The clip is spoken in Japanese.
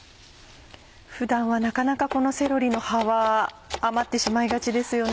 普段はなかなかこのセロリの葉は余ってしまいがちですよね。